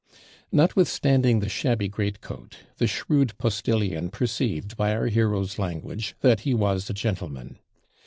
Notwithstanding the shabby greatcoat, the shrewd postillion perceived, by our hero's language, that he was a gentleman.